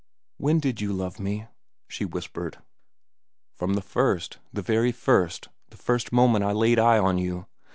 "When did you love me?" she whispered. "From the first, the very first, the first moment I laid eye on you.